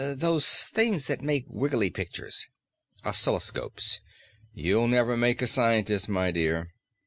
Those things that make wiggly pictures." "Oscilloscopes. You'll never make a scientist, my dear."